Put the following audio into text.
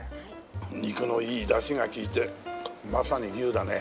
肉のいい出汁が利いてまさに牛だね。